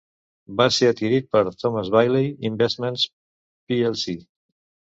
Va ser adquirit per Thomas Bailey Investments plc.